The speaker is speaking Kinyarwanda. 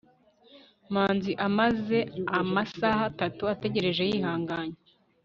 manzi amaze amasaha atatu ategereje yihanganye